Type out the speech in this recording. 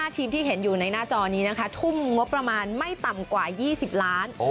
ทีมที่เห็นอยู่ในหน้าจอนี้นะคะทุ่มงบประมาณไม่ต่ำกว่า๒๐ล้าน